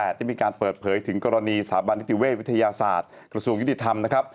ได้มีการเปิดเผยถึงกรณีสถาบันนิติเวทวิทยาศาสตร์กระทรวงยุติธรรมนะครับ